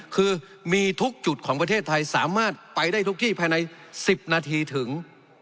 คือมีทุกจุดของประเทศไทยสามารถไปได้ทุกที่ภายใน๑๐นาทีถึง